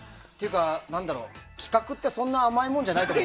企画ってそんな甘いもんじゃないと思う。